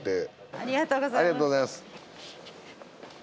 ありがとうございます。